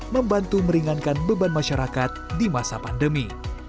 membantu meringankan beban masyarakat di masa pandemi